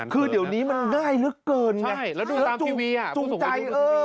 อ๋อคือเดี๋ยวนี้มันง่ายเหลือเกินนะจุงใจเอ้อห้า